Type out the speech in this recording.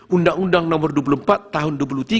undang undang nomor dua puluh empat tahun dua ribu tiga